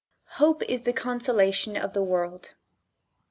Hope is the consolation of the world.